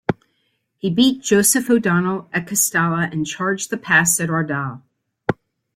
He beat Joseph O'Donnell at Castalla and charged the pass at Ordal.